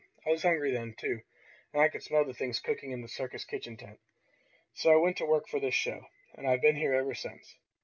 I was hungry then, too, and I could smell the things cooking in the circus kitchen tent. So I went to work for this show, and I've been here ever since.